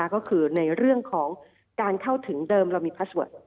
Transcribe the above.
ก็คือในเรื่องของการเข้าถึงเดิมเรามีพระสวด